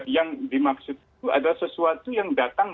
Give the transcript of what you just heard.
yang dimaksud itu adalah sesuatu yang datang